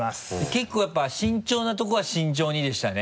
結構やっぱ慎重なとこは慎重にでしたね。